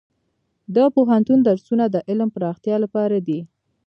د پوهنتون درسونه د علم پراختیا لپاره دي.